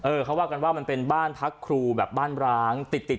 เขาว่ากันว่ามันเป็นบ้านพักครูแบบบ้านร้างติดติด